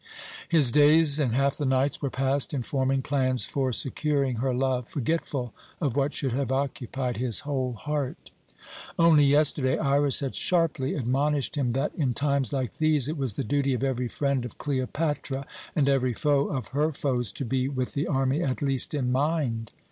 His days and half the nights were passed in forming plans for securing her love, forgetful of what should have occupied his whole heart. Only yesterday Iras had sharply admonished him that, in times like these, it was the duty of every friend of Cleopatra, and every foe of her foes, to be with the army at least in mind.